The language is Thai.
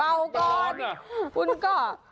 เปาก่อนอุ้นก่อ